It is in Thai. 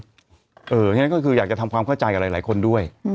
หรืออย่างนั้นก็อยากจะทำความเข้าใจกับหลายหลายคนด้วย